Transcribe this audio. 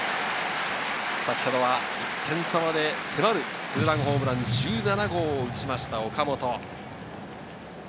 先ほど１点差まで迫るツーランホームラン、１７号を打ちました、岡本。